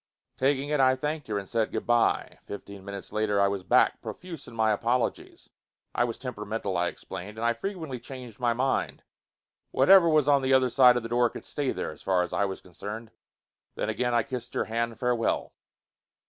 Taking it, I thanked her and said good bye. Fifteen minutes later I was back, profuse in my apologies: I was temperamental, I explained, and I frequently changed my mind. Whatever was on the other side of the door could stay there, as far as I was concerned. Then again I kissed her hand farewell.